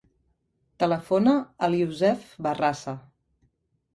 Telefona al Yousef Barrasa.